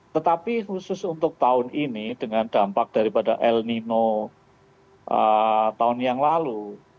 tetapi khusus untuk tahun ini dengan dampak daripada el nino tahun yang lalu